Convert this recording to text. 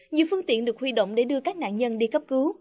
nhiều phương tiện được huy động để đưa các nạn nhân đi cấp cứu